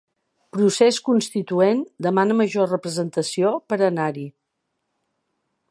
Procés Constituent demana major representació per anar-hi